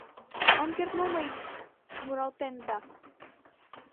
Ом керт мо мый муралтен да